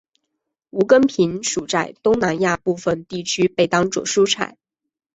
无根萍属在东南亚部份地区被当作蔬菜。